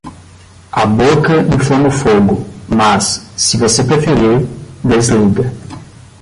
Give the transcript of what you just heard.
A boca inflama o fogo, mas, se você preferir, desliga.